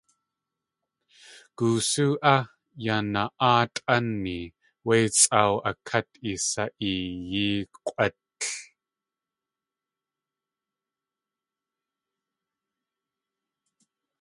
Goosú á yana.áatʼani wé sʼáaw a kát isa.eeyi k̲ʼwátl?